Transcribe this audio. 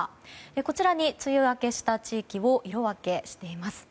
こちらに梅雨明けした地域を色分けしています。